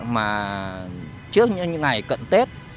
mà trước những ngày cận tết